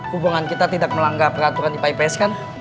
hubungan kita tidak melanggar peraturan ipps kan